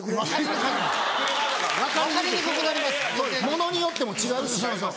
ものによっても違うし。